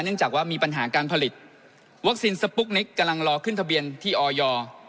เนื่องจากว่ามีปัญหาการผลิตวัคซีนสปุ๊กนิกกำลังรอขึ้นทะเบียนที่ออย